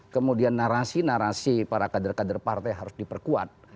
kemudian narasi narasi para kader kader partai harus diperkuat